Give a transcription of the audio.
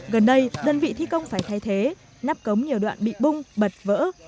gần đây đơn vị thi công phải thay thế nắp cống nhiều đoạn bị bung bật vỡ